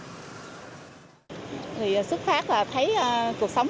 thì xuất phát là thấy cuộc sống